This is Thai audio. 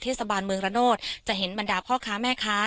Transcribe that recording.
เทศบาลเมืองระโนธจะเห็นบรรดาพ่อค้าแม่ค้า